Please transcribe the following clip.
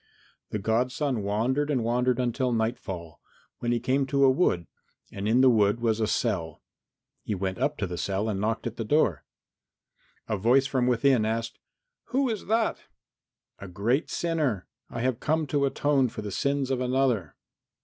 IX The godson wandered and wandered until nightfall, when he came to a wood, and in the wood was a cell. He went up to the cell and knocked at the door. A voice from within asked, "Who is that?" "A great sinner. I have come to atone for the sins of another."